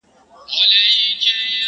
پلی درومي او په مخ کي یې ګوډ خر دی؛